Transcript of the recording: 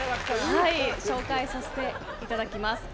紹介させていただきます。